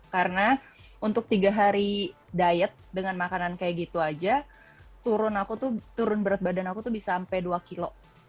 karena untuk tiga hari diet dengan makanan seperti itu saja turun berat badan aku bisa sampai dua kg